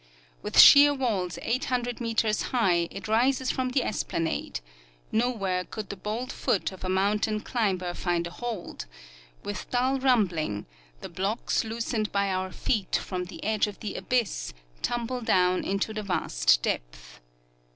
With sheer walls 800 meters high, it rises from the esplanade ; nowhere could the bold foot of a mountain climber Deflation in Colorado Canyon. . ,175 find a hold; with dull rumbling the blocks loosened by our feet from the edge of the abyss tumble down into the vast depth.